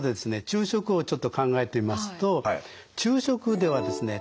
昼食をちょっと考えてみますと昼食ではですね